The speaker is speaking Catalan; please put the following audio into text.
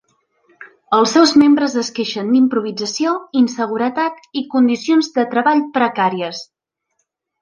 Els seus membres es queixen d'improvisació, inseguretat i condicions de treball precàries.